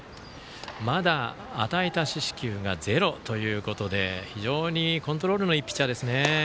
まだ与えた四死球がゼロということで非常にコントロールのいいピッチャーですね。